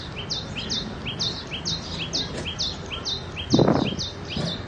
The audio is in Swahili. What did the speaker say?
mwanamama huyu alikuwa muasisi mwenza wa Kikundi cha kujitolea cha Usalama cha Manenberg